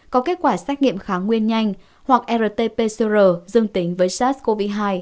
có kết quả xét nghiệm kháng nguyên nhanh hoặc rt pcr dương tính với sars cov hai